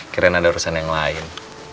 kira kira ada urusan yang lain